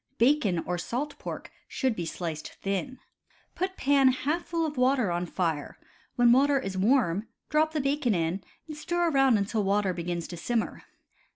Bacon or salt pork should be sliced thin. Put pan half full of water on fire; when water is warm, drop the bacon in, and stir around until water begins to simmer.